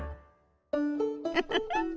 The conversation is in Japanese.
ウフフ。